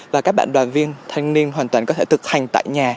và các bạn đoàn viên thanh niên hoàn toàn có thể thực hành